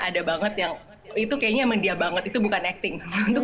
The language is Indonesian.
ada banget yang itu kayaknya emang dia banget itu bukan acting